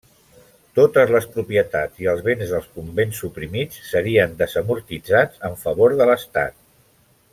Totes les propietats i els béns dels convents suprimits, serien desamortitzats en favor de l'estat.